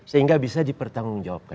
sehingga bisa dipertanggung jawabkan